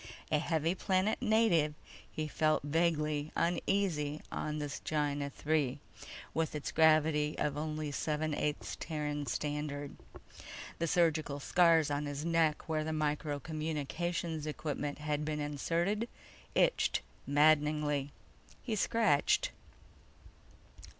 A heavy planet native, he felt vaguely uneasy on this Gienah III with its gravity of only seven eighths Terran Standard. The surgical scars on his neck where the micro communications equipment had been inserted itched maddeningly. He scratched.